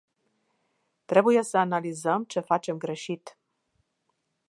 Trebuie să analizăm ce facem greșit.